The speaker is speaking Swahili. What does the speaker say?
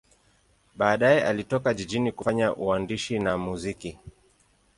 Baadaye alitoka jijini kufanya uandishi na muziki.